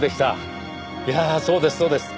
いやあそうですそうです。